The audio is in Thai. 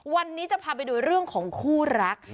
วันนี้จะพาไปดูเรื่องของคู่รัก